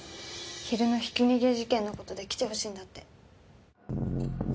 「昼のひき逃げ事件の事で来て欲しいんだって」